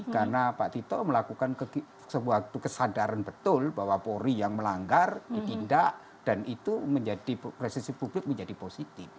karena pak tito melakukan sebuah kesadaran betul bahwa polri yang melanggar ditindak dan itu menjadi presisi publik menjadi positif